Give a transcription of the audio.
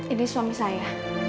ini suami saya